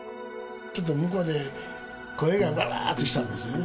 ちょっと向こうで声がわーわーっとしたんですよね。